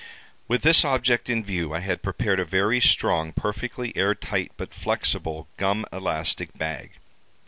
With this object in view I had prepared a very strong perfectly air tight, but flexible gum elastic bag.